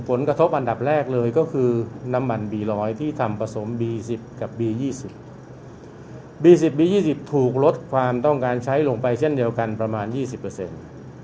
ผลกระทบอันดับแรกเลยก็คือน้ำมันบีร้อยที่ทำผสมบี๑๐กับบี๒๐บี๑๐บี๒๐ถูกลดความต้องการใช้ลงไปเช่นเดียวกันประมาณยี่สิบเปอร์เซ็นต์